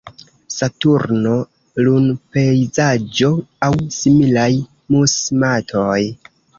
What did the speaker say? Saturno, lunpejzaĝoj, aŭ similaj mus-matoj.